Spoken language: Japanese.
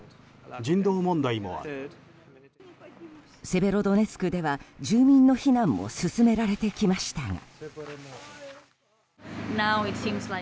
セベロドネツクでは住民の避難も進められてきましたが。